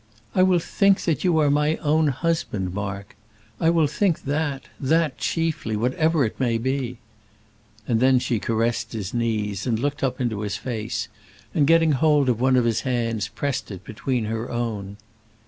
"I will think that you are my own husband, Mark; I will think that that chiefly, whatever it may be." And then she caressed his knees, and looked up in his face, and, getting hold of one of his hands, pressed it between her own.